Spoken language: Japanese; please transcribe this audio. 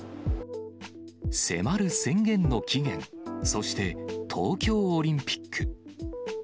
迫る宣言の期限、そして東京オリンピック。